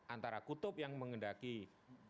antara kutub yang mengendaki dengan landasan muda